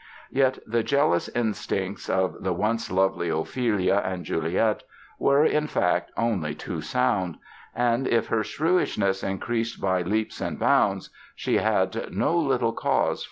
Yet the jealous instincts of the once lovely Ophelia and Juliet were, in fact, only too sound and, if her shrewishness increased by leaps and bounds, she had no little cause for it.